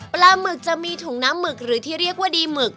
ปลาหมึกจะมีถุงน้ำหมึกหรือที่เรียกว่าดีหมึก